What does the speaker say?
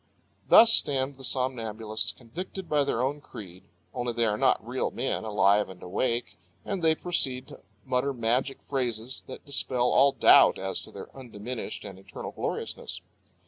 Thus stand the somnambulists convicted by their own creed only they are not real men, alive and awake, and they proceed to mutter magic phrases that dispel all doubt as to their undiminished and eternal gloriousness.